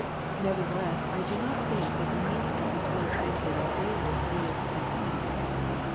Nevertheless, I do not think that the meaning of this word translated " daily " is " the coming day."